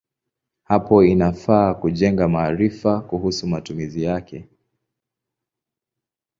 Hapo inafaa kujenga maarifa kuhusu matumizi yake.